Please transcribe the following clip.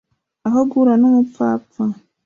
aho guhura n umupfapfa